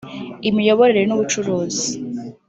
imiyoborere n’ubucuruzi